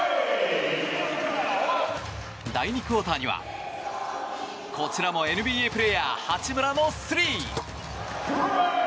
第２クオーターにはこちらもＮＢＡプレーヤー八村のスリー。